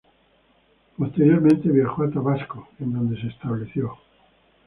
Posteriormente viajó a Tabasco, en donde se estableció.